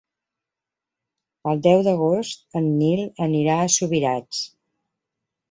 El deu d'agost en Nil anirà a Subirats.